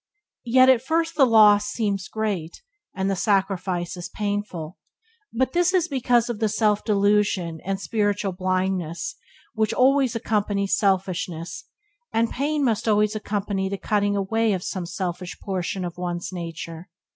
Yet at first the loss seems great, and the sacrifice is painful, but this is because of the self delusion and spiritual blindness which always accompany selfishness, and pain must always accompany the cutting away of some selfish portion of one's nature.